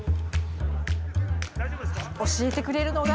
教えてくれるのが。